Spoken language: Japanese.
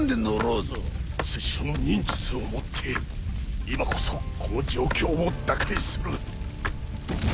拙者の忍術をもって今こそこの状況を打開する！